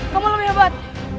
kamu lebih hebat